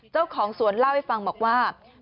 เจ้าของสวนเล่าให้ฟังบอกว่า